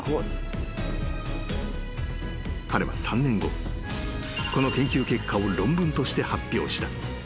［彼は３年後この研究結果を論文として発表した］